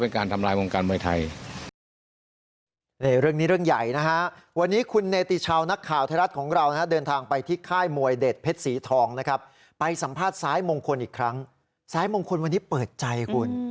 ประเด็นที่หนึ่งเรื่องวงการมวยก่อน